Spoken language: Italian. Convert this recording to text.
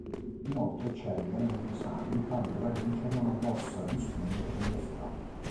Inoltre eccelle negli esami tanto da vincere una borsa di studio per l'università.